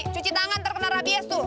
cuci tangan ntar kena rabies tuh